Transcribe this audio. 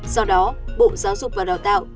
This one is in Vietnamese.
do đó bộ giáo dục và đào tạo